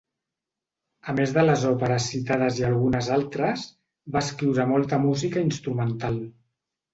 A més de les òperes citades i algunes altres, va escriure molta música instrumental.